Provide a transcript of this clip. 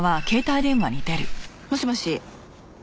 もしもし。